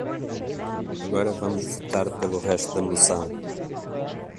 Agora vamos votar pelo resto da moção.